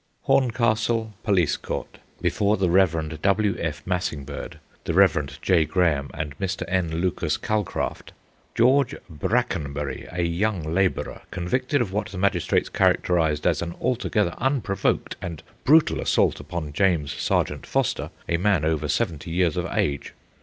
Horncastle Police Court. Before the Rev. W. F. Massingberd, the Rev. J. Graham, and Mr. N. Lucas Calcraft. George Brackenbury, a young labourer, convicted of what the magistrates characterised as an altogether unprovoked and brutal assault upon James Sargeant Foster, a man over seventy years of age.